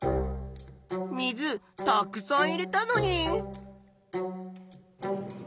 水たくさん入れたのに。